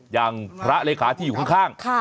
อย่างพระเลขาที่อยู่ข้าง